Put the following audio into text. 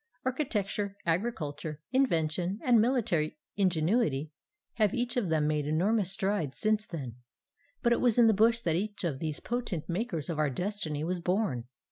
Architecture, agriculture, invention, and military ingenuity have each of them made enormous strides since then; but it was in the bush that each of these potent makers of our destiny was born.